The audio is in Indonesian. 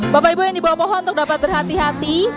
bapak ibu yang di bawah pohon untuk dapat berhati hati